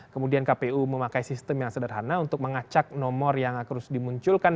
kemudian kpu memakai sistem yang sederhana untuk mengacak nomor yang harus dimunculkan